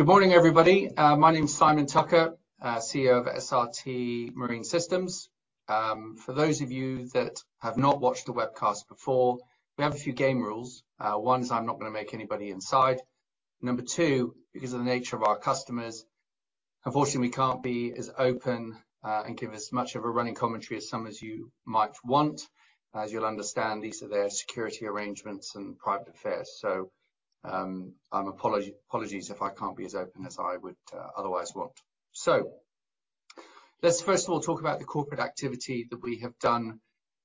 Good morning, everybody. My name is Simon Tucker, CEO of SRT Marine Systems. For those of you that have not watched the webcast before, we have a few game rules. One is, I'm not going to make anybody inside. Number two, because of the nature of our customers, unfortunately, we can't be as open and give as much of a running commentary as some as you might want. As you'll understand, these are their security arrangements and private affairs. So, I'm apologies if I can't be as open as I would otherwise want. So let's first of all talk about the corporate activity that we have done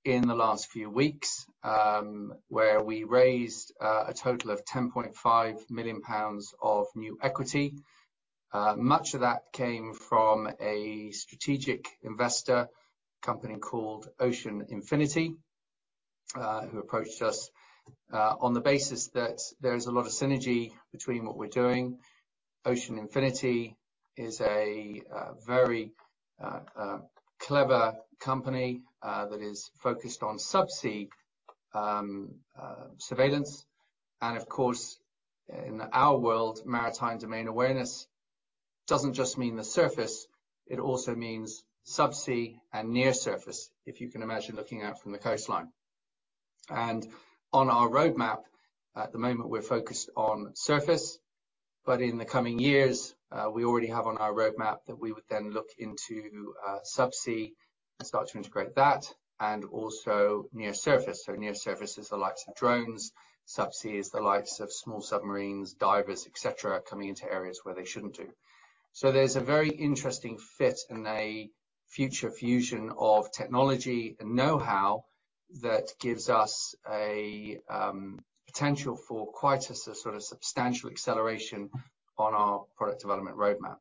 in the last few weeks, where we raised a total of 10.5 million pounds of new equity. Much of that came from a strategic investor, a company called Ocean Infinity, who approached us, on the basis that there is a lot of synergy between what we're doing. Ocean Infinity is a, very, clever company, that is focused on subsea, surveillance. Of course, in our world, maritime domain awareness doesn't just mean the surface, it also means subsea and near surface, if you can imagine, looking out from the coastline. On our roadmap, at the moment, we're focused on surface, but in the coming years, we already have on our roadmap that we would then look into, subsea and start to integrate that and also near surface. Near surface is the likes of drones, subsea is the likes of small submarines, divers, et cetera, coming into areas where they shouldn't do. So there's a very interesting fit and a future fusion of technology and know-how that gives us a potential for quite a sort of substantial acceleration on our product development roadmap.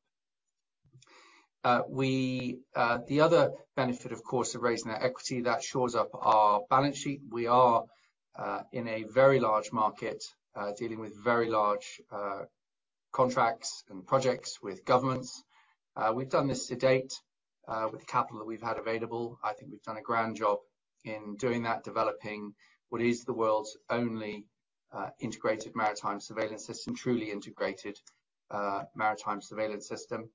The other benefit, of course, of raising our equity, that shores up our balance sheet. We are in a very large market, dealing with very large contracts and projects with governments. We've done this to date with capital that we've had available. I think we've done a grand job in doing that, developing what is the world's only integrated maritime surveillance system, truly integrated maritime surveillance system.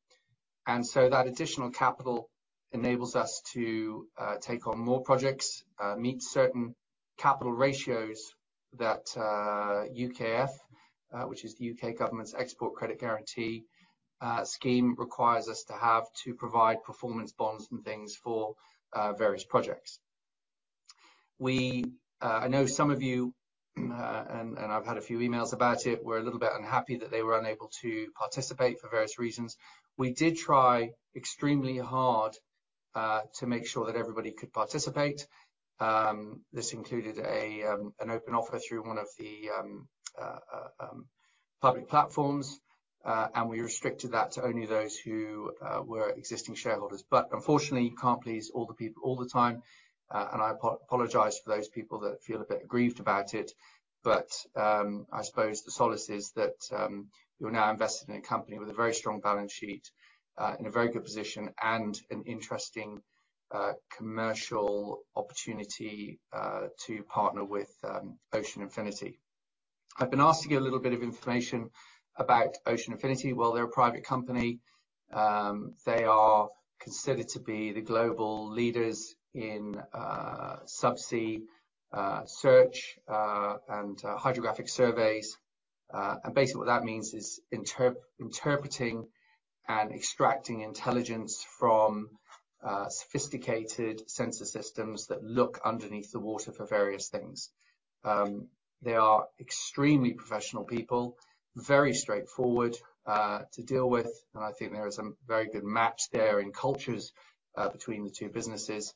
And so that additional capital enables us to take on more projects, meet certain capital ratios that UKEF, which is the UK government's export credit guarantee scheme, requires us to have to provide performance bonds and things for various projects. I know some of you and I've had a few emails about it, were a little bit unhappy that they were unable to participate for various reasons. We did try extremely hard to make sure that everybody could participate. This included an open offer through one of the public platforms, and we restricted that to only those who were existing shareholders. But unfortunately, you can't please all the people all the time, and I apologize for those people that feel a bit aggrieved about it, but, I suppose the solace is that, you're now invested in a company with a very strong balance sheet, in a very good position and an interesting, commercial opportunity, to partner with, Ocean Infinity. I've been asked to give a little bit of information about Ocean Infinity. Well, they're a private company. They are considered to be the global leaders in, subsea, search, and, hydrographic surveys. And basically, what that means is interpreting and extracting intelligence from, sophisticated sensor systems that look underneath the water for various things. They are extremely professional people, very straightforward, to deal with, and I think there is a very good match there in cultures, between the two businesses.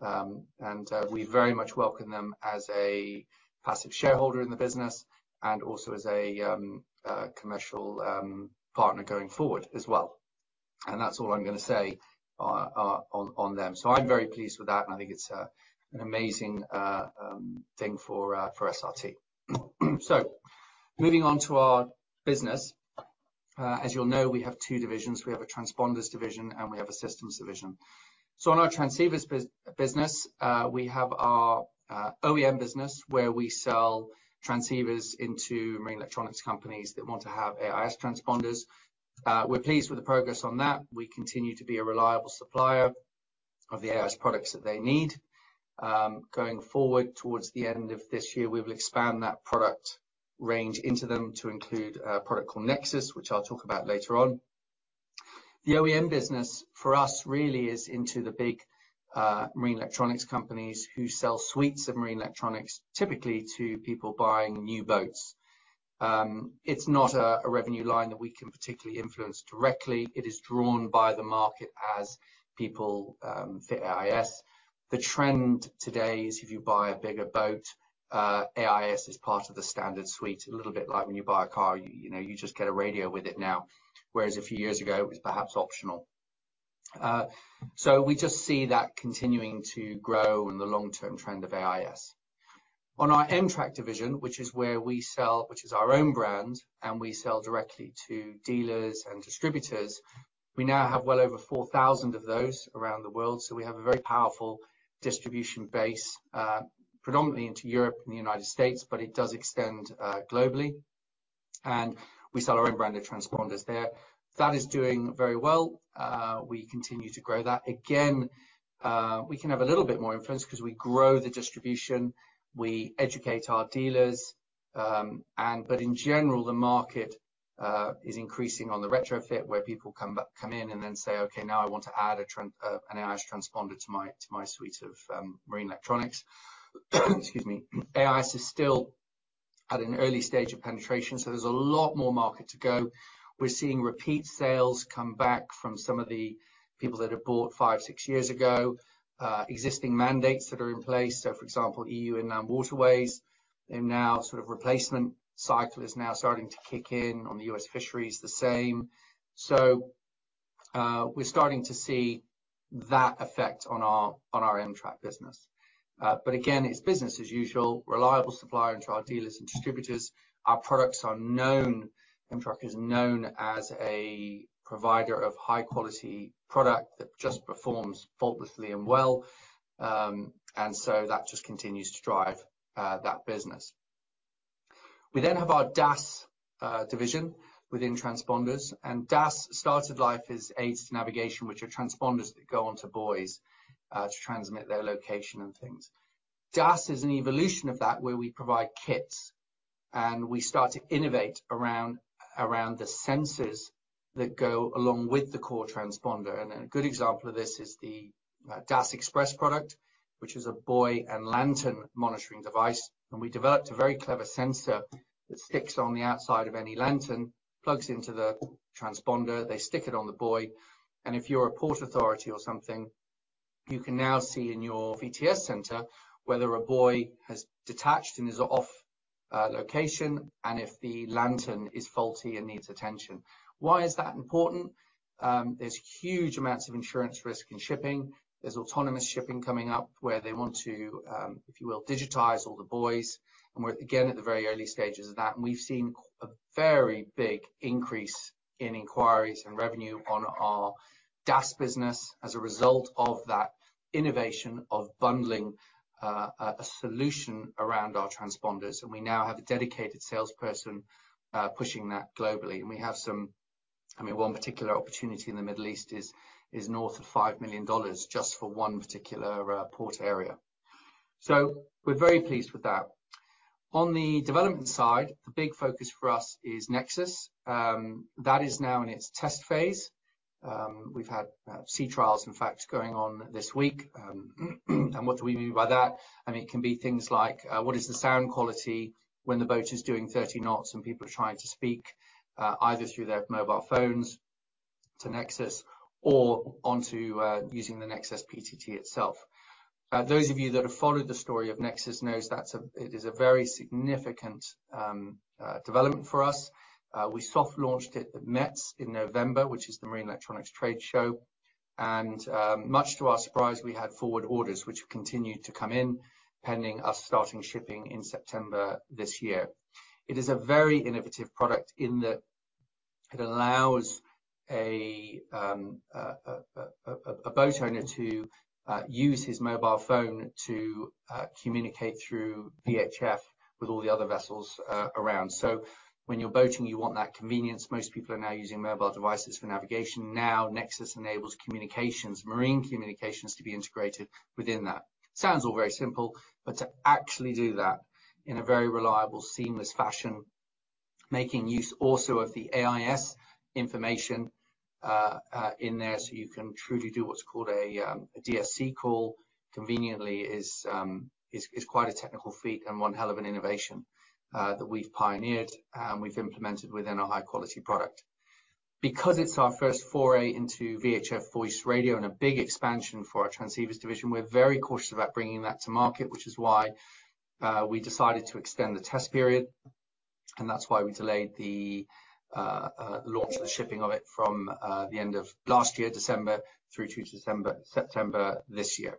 And we very much welcome them as a passive shareholder in the business and also as a commercial partner going forward as well. And that's all I'm gonna say on them. So I'm very pleased with that, and I think it's an amazing thing for SRT. So moving on to our business. As you'll know, we have two divisions. We have a transponders division and we have a systems division. So on our transceivers business, we have our OEM business, where we sell transceivers into marine electronics companies that want to have AIS transponders. We're pleased with the progress on that. We continue to be a reliable supplier of the AIS products that they need. Going forward, towards the end of this year, we will expand that product range into them to include a product called Nexus, which I'll talk about later on. The OEM business for us really is into the big, marine electronics companies who sell suites of marine electronics, typically to people buying new boats. It's not a revenue line that we can particularly influence directly. It is drawn by the market as people fit AIS. The trend today is if you buy a bigger boat, AIS is part of the standard suite, a little bit like when you buy a car, you know, you just get a radio with it now, whereas a few years ago, it was perhaps optional. So we just see that continuing to grow in the long-term trend of AIS. On our em-trak division, which is where we sell, which is our own brand, and we sell directly to dealers and distributors. We now have well over 4,000 of those around the world, so we have a very powerful distribution base, predominantly into Europe and the United States, but it does extend globally. And we sell our own brand of transponders there. That is doing very well. We continue to grow that. Again, we can have a little bit more influence because we grow the distribution, we educate our dealers, and but in general, the market is increasing on the retrofit, where people come back—come in and then say, "Okay, now I want to add an AIS transponder to my, to my suite of marine electronics." Excuse me. AIS is still at an early stage of penetration, so there's a lot more market to go. We're seeing repeat sales come back from some of the people that have bought five, six years ago, existing mandates that are in place. So for example, E.U. inland waterways, they're now sort of replacement cycle is now starting to kick in on the U.S. fisheries, the same. So, we're starting to see that effect on our, on our M-Track business. But again, it's business as usual, reliable supplier to our dealers and distributors. Our products are known, M-Track is known as a provider of high quality product that just performs faultlessly and well. And so that just continues to drive that business. We then have our DAS division within transponders, and DAS started life as aids to navigation, which are transponders that go on to buoys to transmit their location and things. DAS is an evolution of that, where we provide kits, and we start to innovate around the sensors that go along with the core transponder. And a good example of this is the DAS Express product, which is a buoy and lantern monitoring device. We developed a very clever sensor that sticks on the outside of any lantern, plugs into the transponder, they stick it on the buoy, and if you're a port authority or something, you can now see in your VTS center whether a buoy has detached and is off location, and if the lantern is faulty and needs attention. Why is that important? There's huge amounts of insurance risk in shipping. There's autonomous shipping coming up where they want to, if you will, digitize all the buoys, and we're, again, at the very early stages of that, and we've seen a very big increase in inquiries and revenue on our DAS business as a result of that innovation of bundling a solution around our transponders. We now have a dedicated salesperson pushing that globally. We have some—I mean, one particular opportunity in the Middle East is north of $5 million, just for one particular port area. So we're very pleased with that. On the development side, the big focus for us is Nexus. That is now in its test phase. We've had sea trials, in fact, going on this week. And what do we mean by that? I mean, it can be things like what is the sound quality when the boat is doing 30 knots and people are trying to speak either through their mobile phones to Nexus or onto using the Nexus PTT itself. Those of you that have followed the story of Nexus knows that's a—it is a very significant development for us. We soft launched it at METS in November, which is the Marine Electronics Trade Show, and much to our surprise, we had forward orders, which continued to come in pending us starting shipping in September this year. It is a very innovative product in that it allows a boat owner to use his mobile phone to communicate through VHF with all the other vessels around. So when you're boating, you want that convenience. Most people are now using mobile devices for navigation. Now, Nexus enables communications, marine communications to be integrated within that. Sounds all very simple, but to actually do that in a very reliable, seamless fashion, making use also of the AIS information in there, so you can truly do what's called a DSC call conveniently is quite a technical feat and one hell of an innovation that we've pioneered and we've implemented within a high-quality product. Because it's our first foray into VHF voice radio and a big expansion for our transceivers division, we're very cautious about bringing that to market, which is why we decided to extend the test period, and that's why we delayed the launch of the shipping of it from the end of last year, December, through to September this year.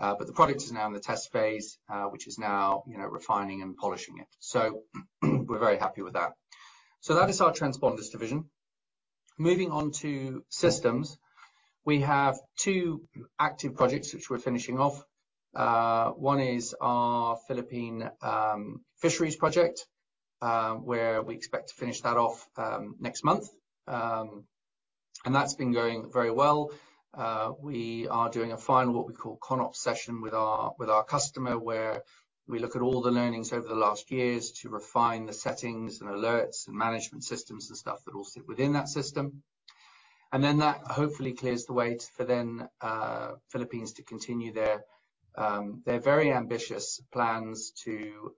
But the product is now in the test phase, which is now refining and polishing it. So we're very happy with that. So that is our transponders division. Moving on to systems. We have two active projects which we're finishing off. One is our Philippine fisheries project, where we expect to finish that off next month. And that's been going very well. We are doing a final, what we call, CONOP session with our customer, where we look at all the learnings over the last years to refine the settings and alerts and management systems and stuff that will sit within that system. And then that hopefully clears the way for then, Philippines to continue their very ambitious plans to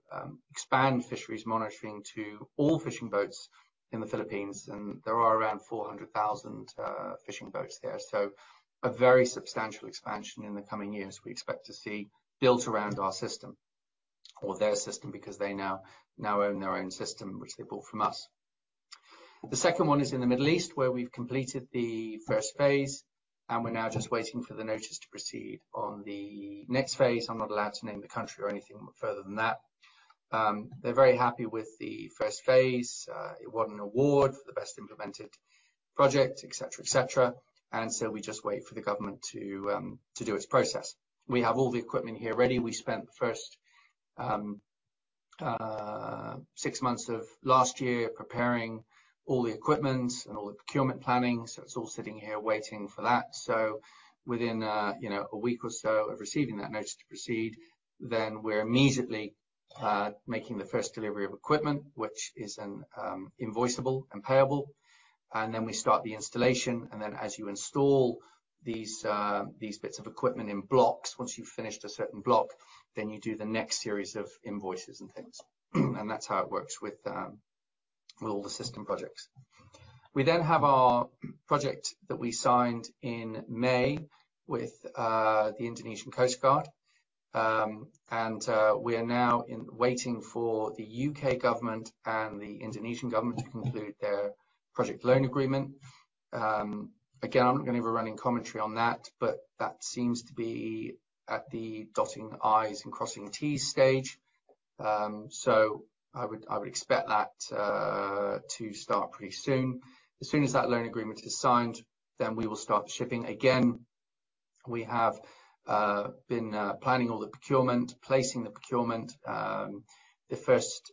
expand fisheries monitoring to all fishing boats in the Philippines, and there are around 400,000 fishing boats there. So a very substantial expansion in the coming years, we expect to see built around our system, or their system, because they now, now own their own system, which they bought from us. The second one is in the Middle East, where we've completed the first phase, and we're now just waiting for the notice to proceed on the next phase. I'm not allowed to name the country or anything further than that... They're very happy with the first phase. It won an award for the best implemented project, et cetera, et cetera. So we just wait for the government to do its process. We have all the equipment here ready. We spent the first six months of last year preparing all the equipment and all the procurement planning. So it's all sitting here waiting for that. So within, you know, a week or so of receiving that notice to proceed, then we're immediately making the first delivery of equipment, which is an invoiceable and payable. And then we start the installation, and then as you install these these bits of equipment in blocks, once you've finished a certain block, then you do the next series of invoices and things. And that's how it works with all the system projects. We then have our project that we signed in May with the Indonesian Coast Guard. And we are now waiting for the U.K. government and the Indonesian government to conclude their project loan agreement. Again, I'm not going to give a running commentary on that, but that seems to be at the dotting i's and crossing t's stage. So I would expect that to start pretty soon. As soon as that loan agreement is signed, then we will start the shipping. Again, we have been planning all the procurement, placing the procurement, the first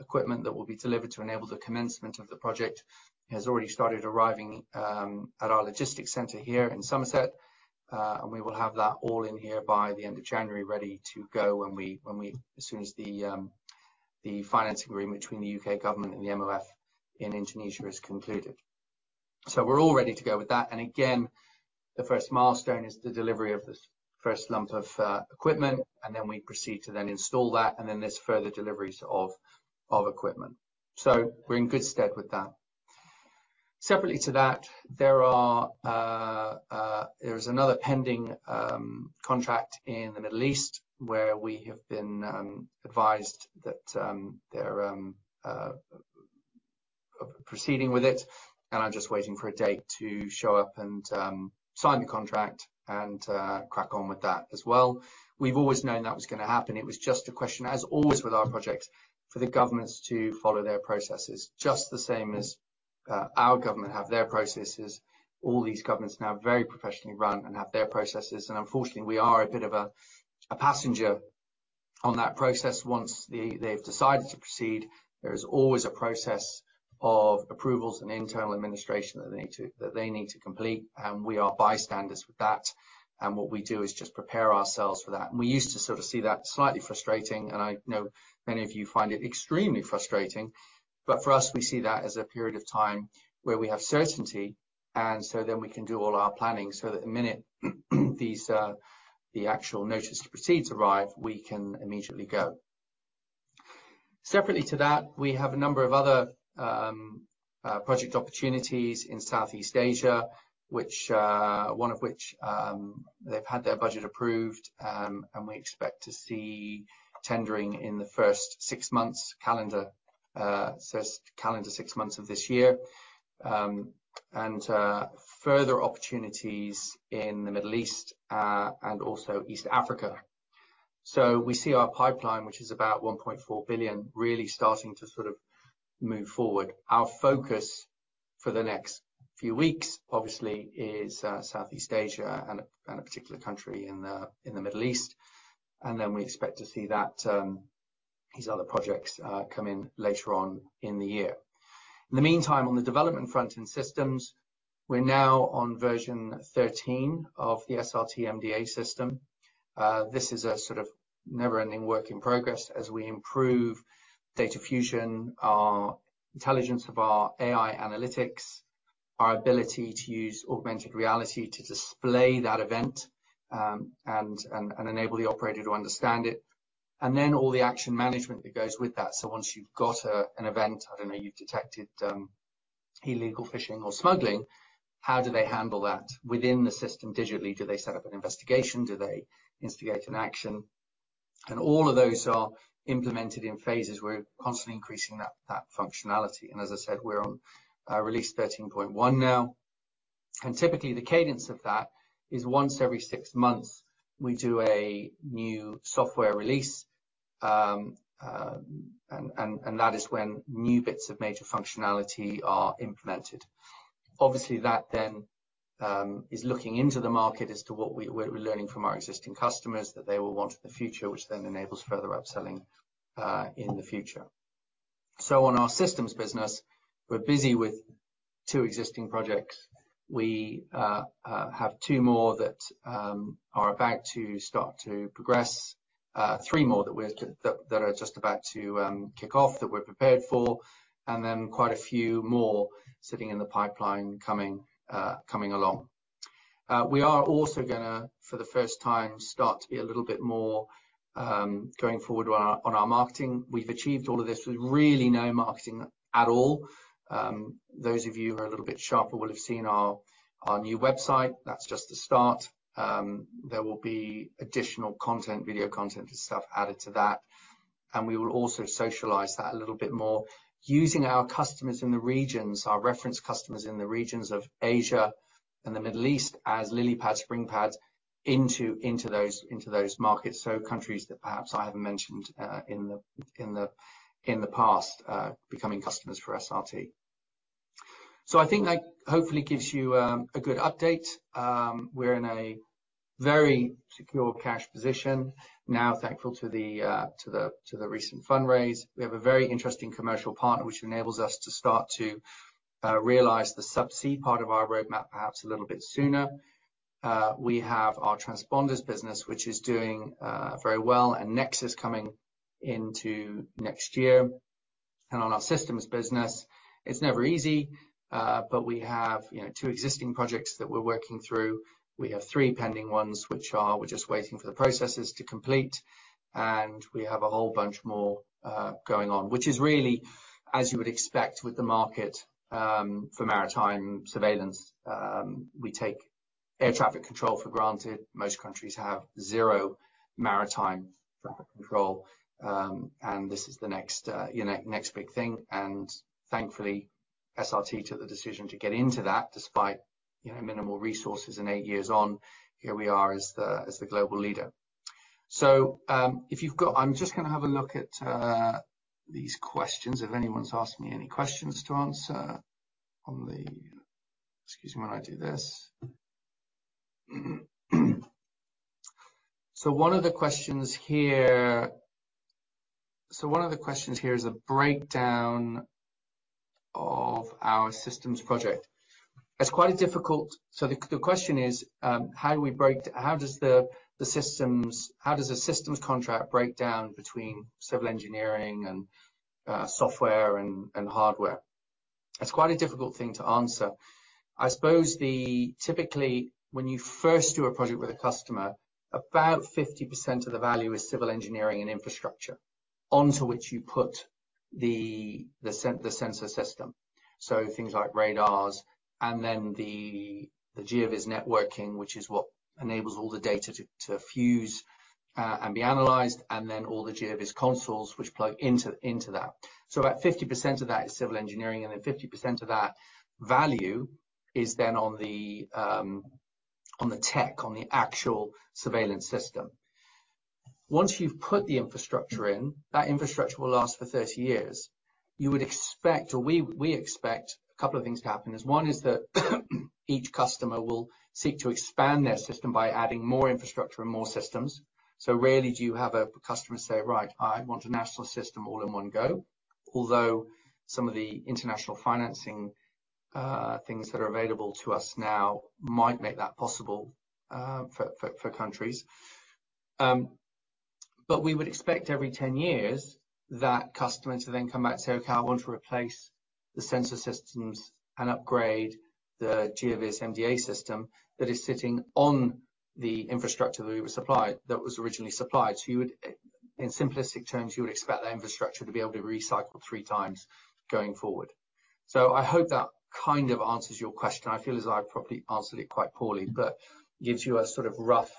equipment that will be delivered to enable the commencement of the project has already started arriving at our logistics center here in Somerset. And we will have that all in here by the end of January, ready to go as soon as the finance agreement between the UK government and the MOF in Indonesia is concluded. So we're all ready to go with that, and again, the first milestone is the delivery of the first lump of equipment, and then we proceed to then install that, and then there's further deliveries of equipment. So we're in good stead with that. Separately to that, there is another pending contract in the Middle East, where we have been advised that they're proceeding with it, and are just waiting for a date to show up and sign the contract and crack on with that as well. We've always known that was gonna happen. It was just a question, as always, with our projects, for the governments to follow their processes. Just the same as our government have their processes, all these governments now are very professionally run and have their processes, and unfortunately, we are a bit of a passenger on that process. Once they've decided to proceed, there is always a process of approvals and internal administration that they need to, that they need to complete, and we are bystanders with that. And what we do is just prepare ourselves for that. And we used to sort of see that slightly frustrating, and I know many of you find it extremely frustrating. But for us, we see that as a period of time where we have certainty, and so then we can do all our planning so that the minute the actual notice to proceeds arrive, we can immediately go. Separately to that, we have a number of other project opportunities in Southeast Asia, which one of which they've had their budget approved, and we expect to see tendering in the first six months, calendar six months of this year. Further opportunities in the Middle East and also East Africa. So we see our pipeline, which is about 1.4 billion, really starting to sort of move forward. Our focus for the next few weeks, obviously, is Southeast Asia and a particular country in the Middle East. And then we expect to see that these other projects come in later on in the year. In the meantime, on the development front and systems, we're now on version 13 of the SRT MDA System. This is a sort of never-ending work in progress as we improve data fusion, our intelligence of our AI analytics, our ability to use augmented reality to display that event, and enable the operator to understand it, and then all the action management that goes with that. So once you've got an event, I don't know, you've detected illegal fishing or smuggling, how do they handle that within the system digitally? Do they set up an investigation? Do they instigate an action? And all of those are implemented in phases. We're constantly increasing that functionality. And as I said, we're on release 13.1 now. And typically, the cadence of that is once every six months, we do a new software release. And that is when new bits of major functionality are implemented. Obviously, that then is looking into the market as to what we're learning from our existing customers that they will want in the future, which then enables further upselling in the future. So on our systems business, we're busy with two existing projects. We have two more that are about to start to progress, three more that are just about to kick off that we're prepared for, and then quite a few more sitting in the pipeline coming along. We are also gonna, for the first time, start to be a little bit more going forward on our marketing. We've achieved all of this with really no marketing at all. Those of you who are a little bit sharper will have seen our new website. That's just the start. There will be additional content, video content and stuff added to that, and we will also socialize that a little bit more using our customers in the regions, our reference customers in the regions of Asia-... In the Middle East as lily pads, springboards into those markets. So countries that perhaps I haven't mentioned in the past becoming customers for SRT. So I think that hopefully gives you a good update. We're in a very secure cash position now, thankful to the recent fundraise. We have a very interesting commercial partner, which enables us to start to realize the subsea part of our roadmap, perhaps a little bit sooner. We have our transponders business, which is doing very well, and Nexus coming into next year. And on our systems business, it's never easy, but we have, you know, two existing projects that we're working through. We have three pending ones, which are, we're just waiting for the processes to complete, and we have a whole bunch more going on, which is really, as you would expect, with the market for maritime surveillance. We take air traffic control for granted. Most countries have zero maritime traffic control, and this is the next, you know, next big thing, and thankfully, SRT took the decision to get into that despite, you know, minimal resources and eight years on, here we are as the, as the global leader. So, if you've got—I'm just gonna have a look at these questions, if anyone's asked me any questions to answer on the... Excuse me, while I do this. So one of the questions here, so one of the questions here is a breakdown of our systems project. It's quite difficult, so the question is, how does the systems contract break down between civil engineering and software and hardware? That's quite a difficult thing to answer. I suppose typically, when you first do a project with a customer, about 50% of the value is civil engineering and infrastructure, onto which you put the sensor system. So things like radars and then the GeoVS networking, which is what enables all the data to fuse and be analyzed, and then all the GeoVS consoles, which plug into that. So about 50% of that is civil engineering, and then 50% of that value is then on the tech, on the actual surveillance system. Once you've put the infrastructure in, that infrastructure will last for 30 years. You would expect or we, we expect a couple of things to happen. One is that each customer will seek to expand their system by adding more infrastructure and more systems. So rarely do you have a customer say, "Right, I want a national system all in one go." Although some of the international financing things that are available to us now might make that possible, for countries. But we would expect every 10 years, that customers will then come back and say, "Okay, I want to replace the sensor systems and upgrade the GeoVS MDA system that is sitting on the infrastructure that we were supplied, that was originally supplied." So you would, in simplistic terms, you would expect that infrastructure to be able to recycle three times going forward. So I hope that kind of answers your question. I feel as I probably answered it quite poorly, but gives you a sort of rough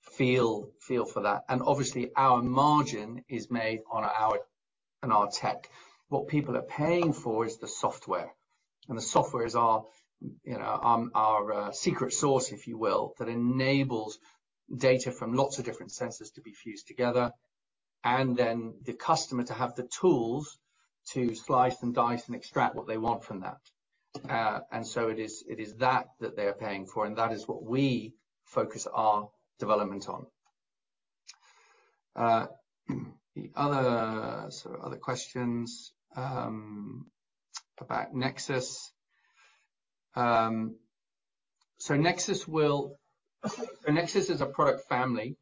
feel, feel for that. And obviously, our margin is made on our tech. What people are paying for is the software, and the software is our, you know, our, secret sauce, if you will, that enables data from lots of different sensors to be fused together, and then the customer to have the tools to slice and dice and extract what they want from that. So it is that, that they are paying for, and that is what we focus our development on. The other, sort of other questions, about Nexus. So Nexus is a product family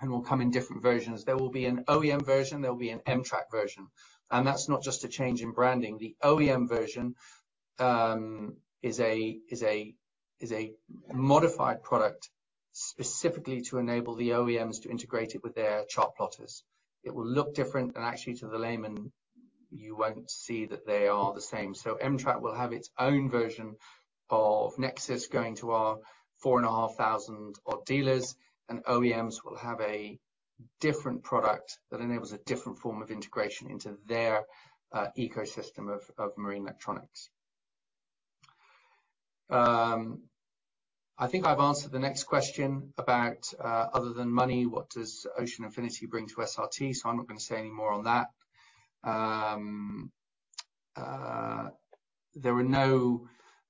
and will come in different versions. There will be an OEM version, there will be an M-Track version, and that's not just a change in branding. The OEM version is a modified product specifically to enable the OEMs to integrate it with their chart plotters. It will look different, and actually to the layman, you won't see that they are the same. So M-Track will have its own version of Nexus going to our 4,500-odd dealers, and OEMs will have a different product that enables a different form of integration into their ecosystem of marine electronics. I think I've answered the next question about other than money, what does Ocean Infinity bring to SRT? So I'm not gonna say any more on that.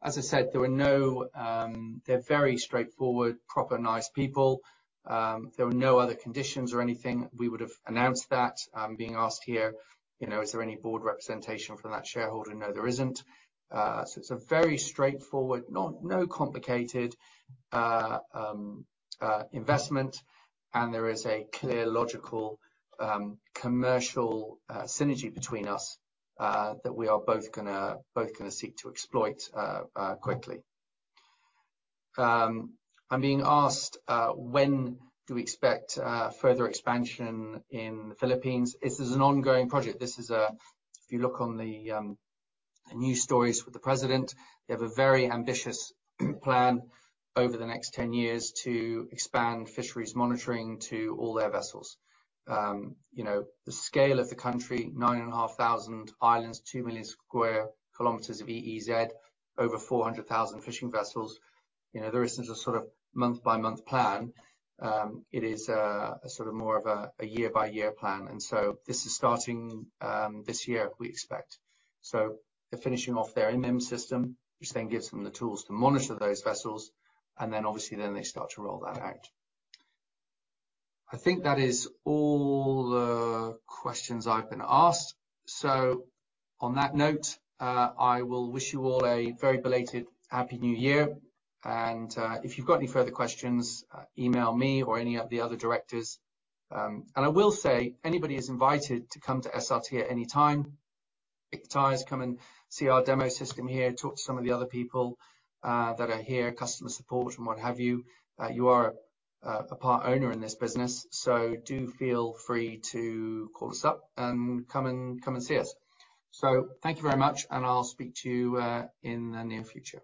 As I said, there were no. They're very straightforward, proper, nice people. There were no other conditions or anything. We would have announced that. I'm being asked here, you know, is there any board representation from that shareholder? No, there isn't. So it's a very straightforward, no complicated investment, and there is a clear, logical commercial synergy between us that we are both gonna seek to exploit quickly. I'm being asked when do we expect further expansion in the Philippines? This is an ongoing project. If you look on the news stories with the president, they have a very ambitious plan over the next 10 years to expand fisheries monitoring to all their vessels. You know, the scale of the country, 9,500 islands, 2 million square kilometers of EEZ, over 400,000 fishing vessels. You know, there isn't a sort of month-by-month plan. It is a sort of more of a year-by-year plan, and so this is starting this year, we expect. So they're finishing off their IMEMS system, which then gives them the tools to monitor those vessels, and then obviously, then they start to roll that out. I think that is all the questions I've been asked. So on that note, I will wish you all a very belated Happy New Year, and, if you've got any further questions, email me or any of the other directors. And I will say, anybody is invited to come to SRT at any time. Book times, come and see our demo system here, talk to some of the other people that are here, customer support and what have you. You are a part owner in this business, so do feel free to call us up and come and see us. Thank you very much, and I'll speak to you in the near future.